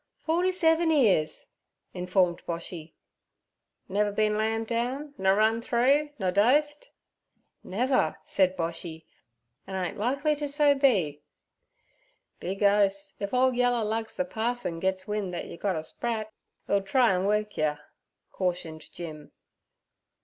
'Forty seven 'ears' informed Boshy. 'Niver bin lambed down, nur run through, nur dosed?' 'Never' said Boshy, 'an' ain't likely to so be.' 'Be Ghos! if ole yallar lugs the parson gets wind that yer got a sprat 'e'll try an' work yer' cautioned Jim.